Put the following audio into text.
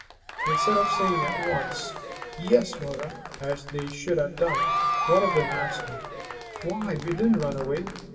Instead of saying at once, "Yes, mother," as they should have done, one of them answered, "Why, we didn't run away.